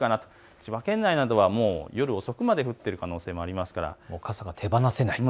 千葉県内などは夜遅くまで降ってる可能性もありますから傘が手放せない。